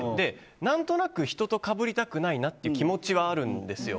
何となく人とかぶりたくないなって気持ちはあるんですよ。